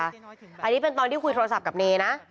อันนี้เป็นตอนที่คุยโทรศัพท์กับเนนะ